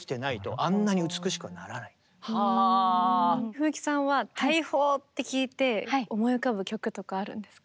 富貴さんは対位法って聞いて思い浮かぶ曲とかあるんですか？